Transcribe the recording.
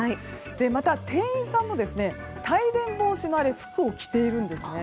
また、店員さんも帯電防止の服を着ているんですね。